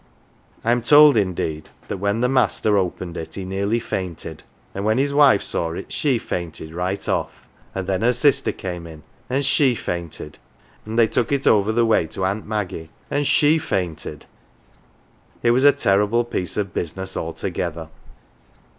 I am told, indeed, that when the master opened it he nearly fainted, and when his wife saw it she fainted right off, and then her sister came in and fihe fainted, and they took it over the way to Aunt Maggie, and she fainted ; it was a terrible piece of business altogether.